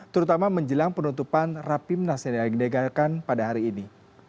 terutama menjelang penutupan rapimnas yang didegarkan pada hari ini